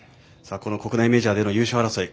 この国内メジャーでの優勝争い